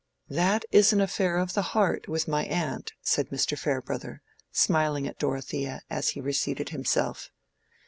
"That is an affair of the heart with my aunt," said Mr. Farebrother, smiling at Dorothea, as he reseated himself.